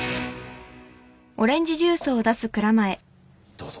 どうぞ。